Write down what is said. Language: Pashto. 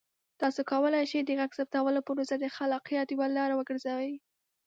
تاسو کولی شئ د غږ ثبتولو پروسه د خلاقیت یوه لاره وګرځوئ.